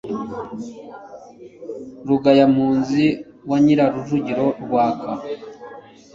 rugayampunzi wanyira rujugiro rwaka